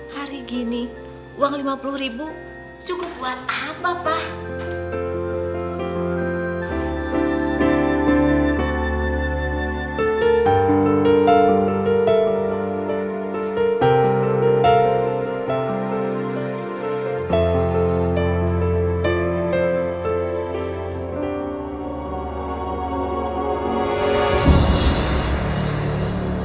hari gini uang rp lima puluh cukup buat apa pak